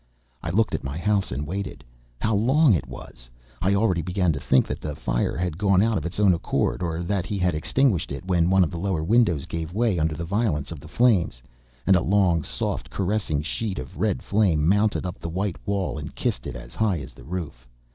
I looked at my house and waited. How long it was! I already began to think that the fire had gone out of its own accord, or that he had extinguished it, when one of the lower windows gave way under the violence of the flames, and a long, soft, caressing sheet of red flame mounted up the white wall and kissed it as high as the roof.